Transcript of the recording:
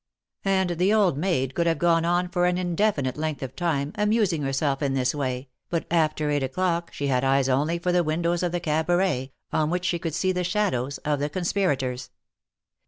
And the old maid could have gone on for an indefinite length of time, amusing herself in this way, but after eight o'clock 17 270 THE MARKETS OF PARIS. she had eyes only for the windows of the Cabaret, on which she could see the shadows of the conspirators.